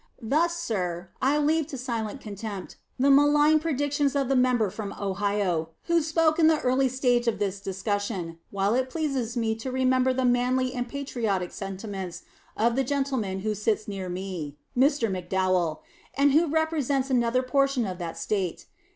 Thus, sir, I leave to silent contempt the malign predictions of the member from Ohio, who spoke in the early stage of this discussion, while it pleases me to remember the manly and patriotic sentiments of the gentleman who sits near me [Mr. McDowell], and who represents another portion of that State.